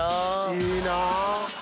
いいなぁ！